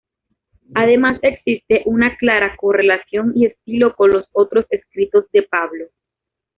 Además existe una clara correlación y estilo con los otros escritos de Pablo.